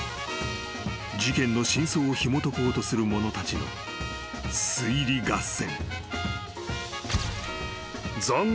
［事件の真相をひもとこうとする者たちの推理合戦］